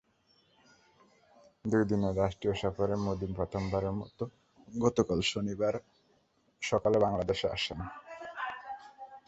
দুই দিনের রাষ্ট্রীয় সফরে মোদি প্রথমবারের মতো গতকাল শনিবার সকালে বাংলাদেশে আসেন।